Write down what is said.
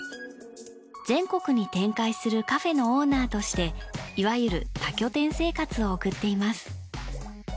全国に展開するカフェのオーナーとしていわゆる多拠点生活を送っています。